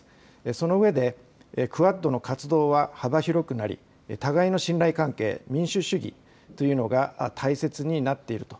その上で、クアッドの活動は幅広くなり、互いの信頼関係、民主主義というのが大切になっていると。